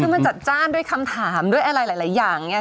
คือมันจัดจ้านด้วยคำถามด้วยอะไรหลายอย่างเนี่ย